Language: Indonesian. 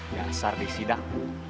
gak asar di sidang